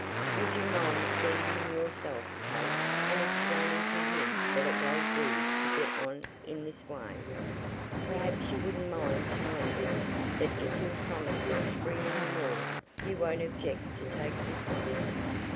"Would you mind seeing him yourself, Kate, and explaining to him that it won't do to get on in this way. Perhaps you wouldn't mind telling him that if he'll promise not to bring any more, you won't object to take this one."